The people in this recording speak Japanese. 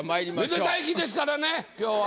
めでたい日ですからね今日は。